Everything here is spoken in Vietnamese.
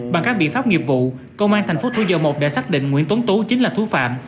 bằng các biện pháp nghiệp vụ công an thành phố thủ dầu một đã xác định nguyễn tuấn tú chính là thú phạm